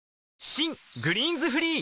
新「グリーンズフリー」